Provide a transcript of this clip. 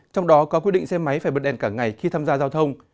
trong đó có quy định xe máy phải bật đèn cả ngày khi tham gia giao thông